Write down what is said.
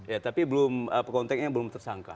ya tapi belum konteknya belum tersangka